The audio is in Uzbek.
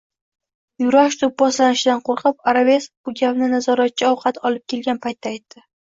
Yurash doʻpposlashidan qoʻrqib, Oraves bu gapni nazoratchi ovqat olib kelgan paytda aytdi.